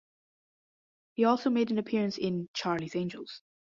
He also made an appearance in "Charlie's Angels".